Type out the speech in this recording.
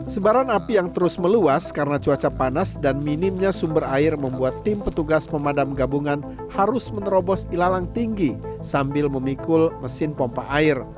sebaran api yang terus meluas karena cuaca panas dan minimnya sumber air membuat tim petugas pemadam gabungan harus menerobos ilalang tinggi sambil memikul mesin pompa air